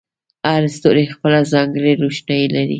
هر ستوری خپله ځانګړې روښنایي لري.